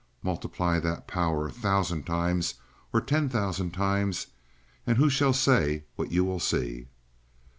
Multiply that power a thousand times, or ten thousand times, and who shall say what you will see?"